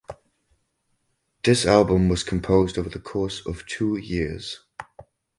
This album was composed over the course of two years.